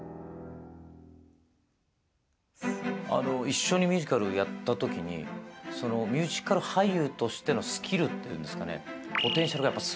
一緒にミュージカルやったときにそのミュージカル俳優としてのスキルっていうんですかね